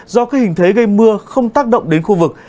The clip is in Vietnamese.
do các hình thế gây mưa không tác động đến khu vực